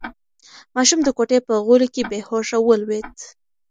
ماشوم د کوټې په غولي کې بې هوښه ولوېد.